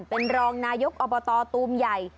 เป็นรองนายกอบตตูมใหญ่